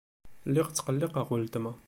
Lliɣ ttqelliqeɣ weltma.